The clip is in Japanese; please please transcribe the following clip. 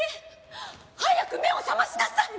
早く目を覚ましなさい！